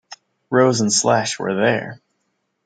Rose and Slash were there.